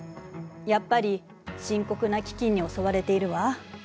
やっぱり深刻な飢饉に襲われているわ。